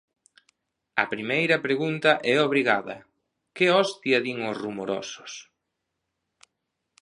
A primeira pregunta é obrigada: que hostia din os rumorosos?